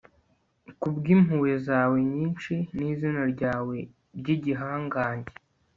ku bw'impuhwe zawe nyinshi n'izina ryawe ry'igihangange